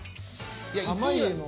濱家の。